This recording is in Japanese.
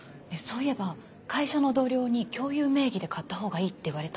そういえば会社の同僚に共有名義で買った方がいいって言われたんですけど。